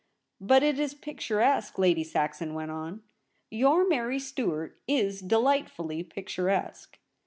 ' But it is picturesque,' Lady Saxon went on. * Your Mary Stuart is delightfully picturesque.